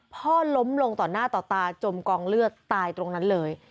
พ่อล้มลงต่อหน้าต่อตาจมกองเลือดตายตรงนั้นเลย